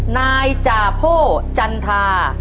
นายจาโพจันทา